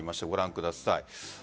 ご覧ください。